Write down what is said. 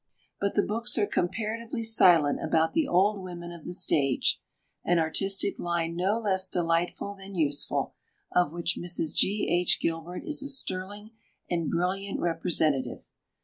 But the books are comparatively silent about the Old Women of the stage—an artistic line no less delightful than useful, of which Mrs. G.H. Gilbert is a sterling and brilliant representative.